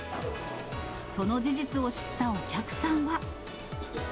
その事実を知ったお客さんは。